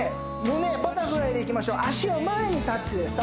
胸バタフライでいきましょう脚を前にタッチです